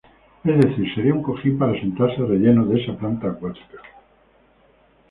Es decir, sería un cojín para sentarse relleno de esa planta acuática.